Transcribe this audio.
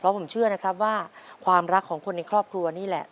ผมเชื่อนะครับว่าความรักของคนในครอบครัวนี่แหละ